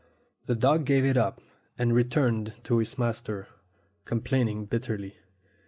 The dog gave it up, and returned to his master, complaining bitterly.